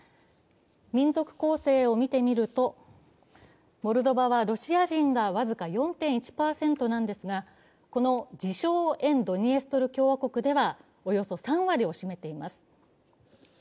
民族構成を見てみると、モルドバはロシア人が僅か４．１％なんですが、この自称・沿ドニエストル共和国ではおよそ３割を占めています。